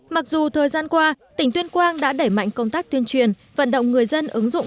mặc dù thời gian qua tỉnh tuyên quang đã đẩy mạnh công tác tuyên truyền vận động người dân ứng dụng